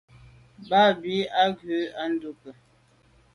Mba be a’ ghù à ndùke.